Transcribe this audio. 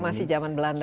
masih zaman belanda